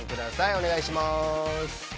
お願いします。